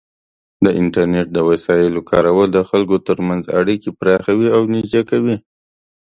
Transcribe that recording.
د انټرنیټ د وسایلو کارول د خلکو ترمنځ اړیکې پراخوي او نږدې کوي.